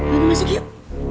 bini masuk yuk